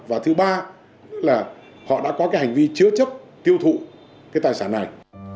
và thứ ba là họ đã có cái hành vi chứa chấp tiêu thụ cái tài sản này